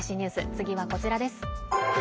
次はこちらです。